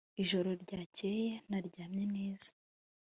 ijoro ryakeye naryamye neza